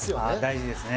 大事ですね。